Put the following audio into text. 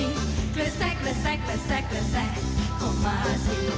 กระแทรกกระแทรกกระแทรกกระแทรกออกมาสิ